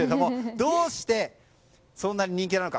どうしてそんなに人気なのか。